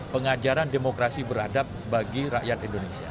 pengajaran demokrasi beradab bagi rakyat indonesia